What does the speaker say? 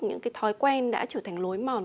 những cái thói quen đã trở thành lối mòn